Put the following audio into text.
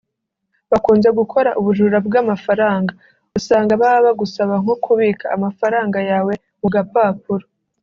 bakunze gukora ubujura bw’amafaranga usanga baba bagusaba nko kubika amafaranga yawe mu gapapuro